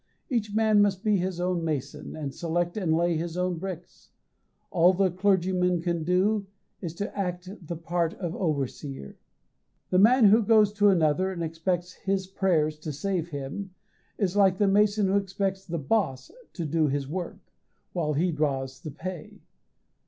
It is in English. And each man must be his own mason, and select and lay his own bricks. All the clergyman can do is to act the part of overseer. The man who goes to another, and expects his prayers to save him, is like the mason who expects the "boss" to do his work, while he draws the pay.